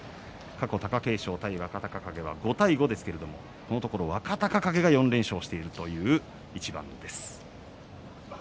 過去の対戦が５対５ですがここのところ、若隆景が４連勝しているという一番です。